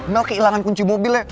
mel kehilangan kunci mobilnya